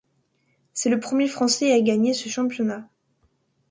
C’est le premier français à gagner ce championnat.